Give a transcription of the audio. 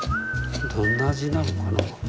どんな味になるんかな？